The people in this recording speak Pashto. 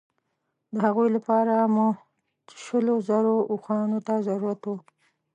د هغوی لپاره مو شلو زرو اوښانو ته ضرورت وو.